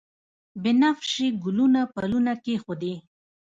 بنفشیې ګلونه پلونه کښیږدي